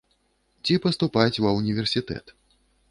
Ці паступаць ва ўніверсітэт.